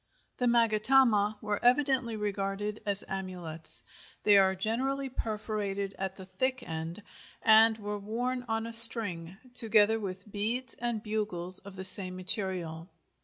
The magatama were evidently regarded as amulets. "They are generally perforated at the thick end, and were worn on a string, together with beads and bugles of the same material."